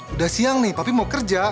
udah siang nih tapi mau kerja